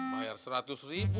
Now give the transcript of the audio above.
bayar seratus ribu